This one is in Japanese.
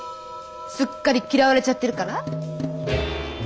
すっかり嫌われちゃってるから？